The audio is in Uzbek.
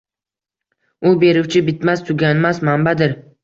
U beruvchi, bitmas-tuganmas manbadir